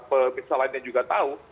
pemirsa lainnya juga tahu